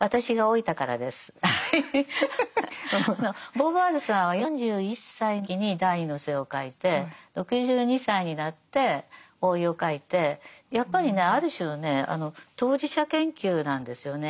ボーヴォワールさんは４１歳のときに「第二の性」を書いて６２歳になって「老い」を書いてやっぱりねある種のね当事者研究なんですよね。